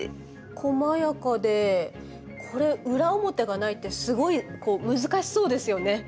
こまやかでこれ裏表がないってすごいこう難しそうですよね。